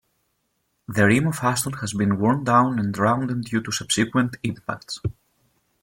The rim of Aston has been worn down and rounded due to subsequent impacts.